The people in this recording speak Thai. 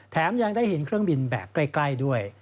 ยังได้เห็นเครื่องบินแบบใกล้ด้วย